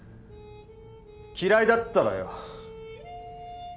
嫌いだったらよ